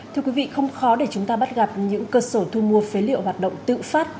thưa quý vị không khó để chúng ta bắt gặp những cơ sở thu mua phế liệu hoạt động tự phát